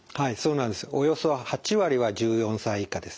およそ８割は１４歳以下です。